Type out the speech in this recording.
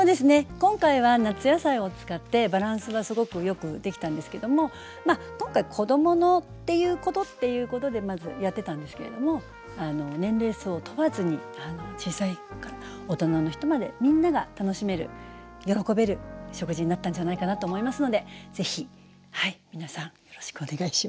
今回は夏野菜を使ってバランスがすごくよくできたんですけども今回子供のっていうことっていうことでまずやってたんですけれども年齢層を問わずに小さい子から大人の人までみんなが楽しめる喜べる食事になったんじゃないかなと思いますので是非皆さんよろしくお願いします。